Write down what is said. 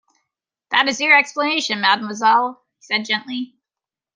"That is your explanation, mademoiselle," he said gently.